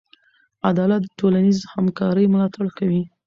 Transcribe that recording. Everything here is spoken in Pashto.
عدالت د ټولنیز همکارۍ ملاتړ کوي.